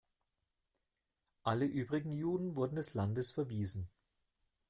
Alle übrigen Juden wurden des Landes verwiesen.